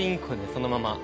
そのまま。